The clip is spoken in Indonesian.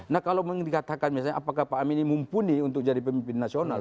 nah kalau dikatakan misalnya apakah pak amin ini mumpuni untuk jadi pemimpin nasional